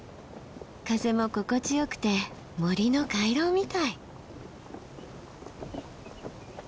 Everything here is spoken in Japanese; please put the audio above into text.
風も心地よくて森の回廊みたい。